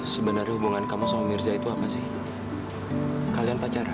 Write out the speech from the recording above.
sebenarnya hubungan kamu sama mirza itu apa sih kalian pacar